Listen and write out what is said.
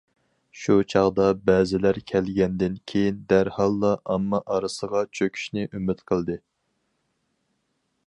شۇ چاغدا بەزىلەر كەلگەندىن كېيىن دەرھاللا ئامما ئارىسىغا چۆكۈشنى ئۈمىد قىلدى.